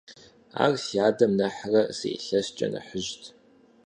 Ар си адэм нэхърэ зы илъэскӀэ нэхъыжьт.